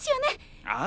ああ